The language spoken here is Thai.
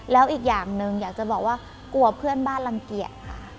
แล้วอีกอย่างหนึ่งอยากจะบอกว่ากลัวเพื่อนบ้านรังเกียจค่ะ